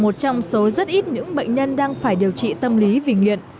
một trong số rất ít những bệnh nhân đang phải điều trị tâm lý vì nghiện